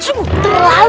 sungguh terlalu pengen